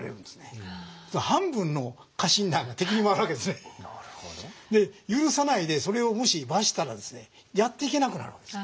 先ほどありましたように許さないでそれをもし罰したらですねやっていけなくなるわけです。